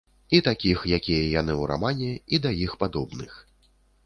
І гэтакіх, якія яны ў рамане, і да іх падобных.